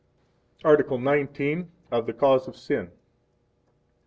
Article XIX. Of the Cause of Sin.